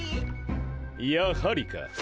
やはりか。